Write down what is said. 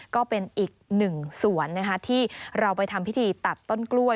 ก็เป็นอีกหนึ่งสวนที่เราไปทำพิธีตัดต้นกล้วย